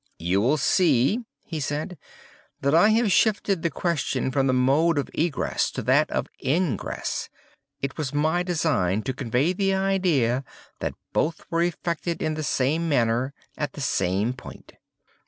"You will see," he said, "that I have shifted the question from the mode of egress to that of ingress. It was my design to convey the idea that both were effected in the same manner, at the same point.